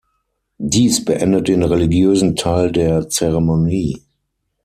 Dies beendet den religiösen Teil der Zeremonie.